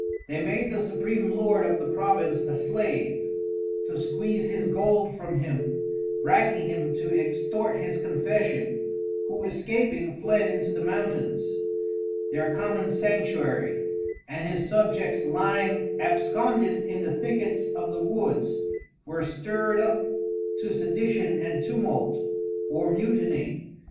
They made the supream Lord of the Province a Slave, to squeeze his Gold from him, racking him to extort his confession who escaping fled into the Mountains, their common Sanctuary, and his Subjects lying absconded in the Thickets of the Woods, were stir'd up to Sedition and Tumult or Mutiny.